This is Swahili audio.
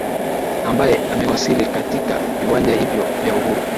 ambaye amewasili katika viwanja hivyo vya uhuru